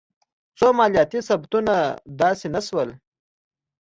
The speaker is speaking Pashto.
خو مالیاتي ثبتونه داسې نه شول.